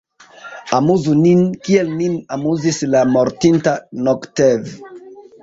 Amuzu nin, kiel nin amuzis la mortinta Nogtev!